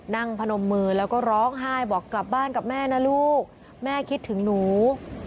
พนมมือแล้วก็ร้องไห้บอกกลับบ้านกับแม่นะลูกแม่คิดถึงหนู